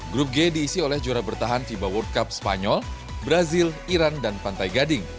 grup g diisi oleh juara bertahan fiba world cup spanyol brazil iran dan pantai gading